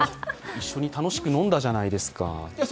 一緒に楽しく飲んだじゃないですか。